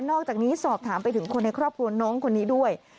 อกจากนี้สอบถามไปถึงคนในครอบครัวน้องคนนี้ด้วย